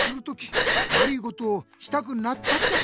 悪いことをしたくなっちゃったとき。